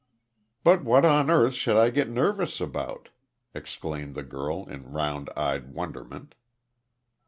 "But what on earth should I get nervous about?" exclaimed the girl, in round eyed wonderment.